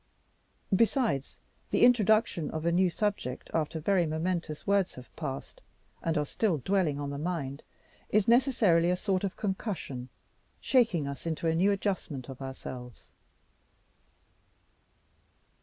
Besides the introduction of a new subject after very momentous words have passed, and are still dwelling on the mind, is necessarily a sort of concussion, shaking us into a new adjustment of ourselves.